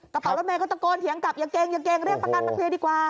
กระเป๋ารถเมย์ก็ตะโกนเถียงกลับอย่าเก่งอย่าเก่งเรียกประกันมาเคลียร์ดีกว่า